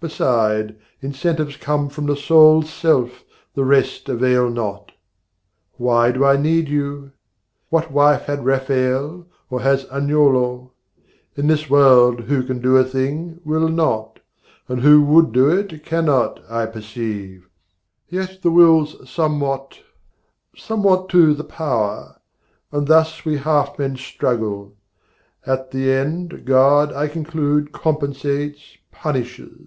Beside, incentives come from the soul's self; The rest avail not. Why do I need you? What wife had Rafael, or has Agnolo? In this world, who can do a thing, will not; And who would do it, cannot, I perceive: Yet the will's somewhat somewhat, too, the power And thus we half men struggle. At the end, God, I conclude, compensates, punishes.